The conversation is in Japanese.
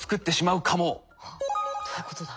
はっどういうことだ？